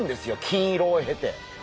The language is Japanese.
金色を経て。